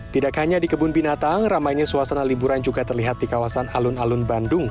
tidak hanya di kebun binatang ramainya suasana liburan juga terlihat di kawasan alun alun bandung